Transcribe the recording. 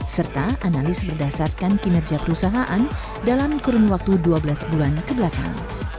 serta analis berdasarkan kinerja perusahaan dalam kurun waktu dua belas bulan kebelakang